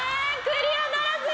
クリアならず！